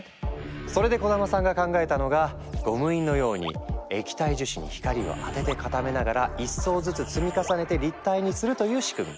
それで小玉さんが考えたのがゴム印のように液体樹脂に光を当てて固めながら１層ずつ積み重ねて立体にするという仕組み。